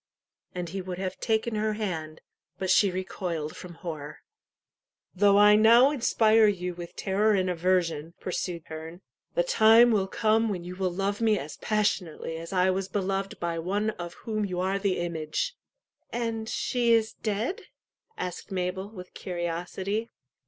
"And he would have taken her hand; but she recoiled from horror. "Though I now inspire you with terror and aversion," pursued "the time will come when you will love me as passionately as I was beloved by one of whom you are the image." And she is dead? "asked Mabel, with curiosity.